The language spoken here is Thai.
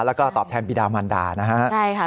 แล้วก็ตอบแทนปีดามันดานะครับ